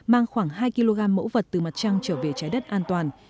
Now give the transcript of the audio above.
mang khoảng hai kg mẫu vật từ mặt trăng trở về trái đất an toàn